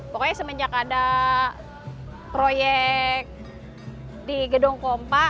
pokoknya semenjak ada proyek di gedung kompa